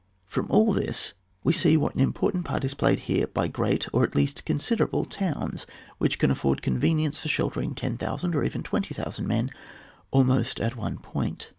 From all this we see what an impor tant part is played here by great or at least considerable towns, which afford convenience for sheltering 10,000 or even 20,000 men almost at one point.